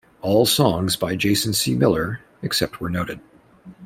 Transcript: All songs by Jason C. Miller except where noted.